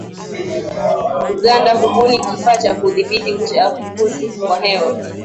Uganda hubuni kifaa cha kudhibiti uchafuzi wa hewa